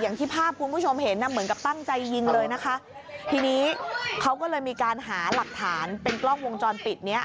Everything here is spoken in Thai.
อย่างที่ภาพคุณผู้ชมเห็นน่ะเหมือนกับตั้งใจยิงเลยนะคะทีนี้เขาก็เลยมีการหาหลักฐานเป็นกล้องวงจรปิดเนี้ย